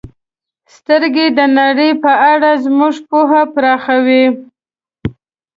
• سترګې د نړۍ په اړه زموږ پوهه پراخوي.